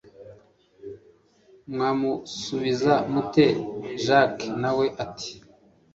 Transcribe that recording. mwamusubiza mute jack nawe ati